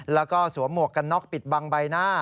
แล้วก็สวมหมวกกันน็อกปิดบังใบหน้า